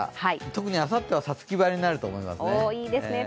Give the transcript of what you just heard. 特にあさっては五月晴れになると思いますね。